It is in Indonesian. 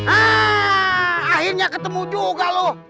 akhirnya ketemu juga lo